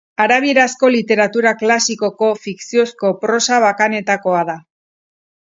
Arabierazko literatura klasikoko fikziozko prosa bakanetakoa da.